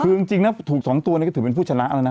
คือจริงนะถูก๒ตัวนี้ก็ถือเป็นผู้ชนะแล้วนะ